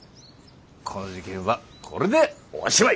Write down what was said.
この事件はこれでおしまい。